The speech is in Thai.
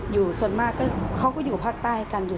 อยู่ส่วนมากเขาก็อยู่ภาคใต้กันอยู่